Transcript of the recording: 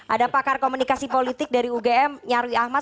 ada pakar komunikasi politik dari ugm nyarwi ahmad